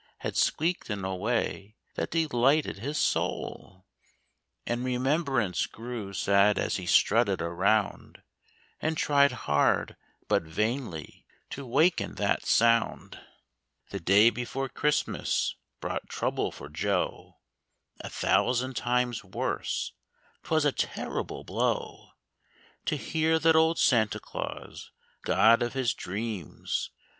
Had squeaked in a way that delighted his soul, And remembrance grew sad as he strutted around And tried hard, but vainly, to waken that sound. The day before Christmas brought trouble for Joe, A thousand times worse. 'Twas a terrible blow To hear that old Santa Claus, god of his dreams.